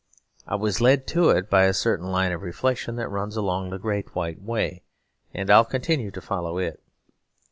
I was led to it by a certain line of reflection that runs along the Great White Way, and I will continue to follow it.